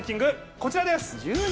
こちらです！